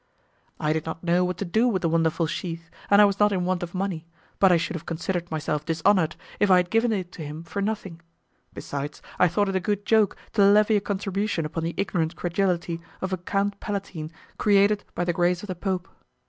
I did not know what to do with the wonderful sheath, and I was not in want of money, but I should have considered myself dishonoured if I had given it to him for nothing; besides, I thought it a good joke to levy a contribution upon the ignorant credulity of a count palatine created by the grace of the Pope.